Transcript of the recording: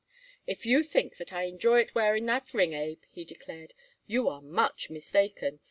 "If you think that I enjoy it wearing that ring, Abe," he declared, "you are much mistaken.